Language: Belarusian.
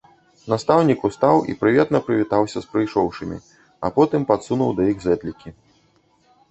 Настаўнік устаў і прыветна прывітаўся з прыйшоўшымі, а потым падсунуў да іх зэдлікі.